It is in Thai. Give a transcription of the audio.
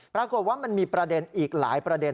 ปรากฏว่ามันมีประเด็นอีกหลายประเด็น